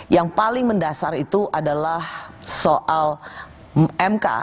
yang paling mendasar itu adalah soal mk